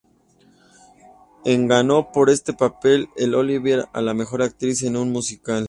En ganó por este papel el Olivier a la Mejor Actriz en un Musical.